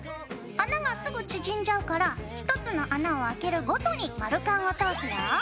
穴がすぐ縮んじゃうから１つの穴をあけるごとに丸カンを通すよ。